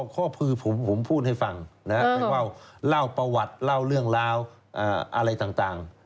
ข้อคือผมพูดให้ฟังไม่ว่าเล่าประวัติเล่าเรื่องราวอะไรต่าง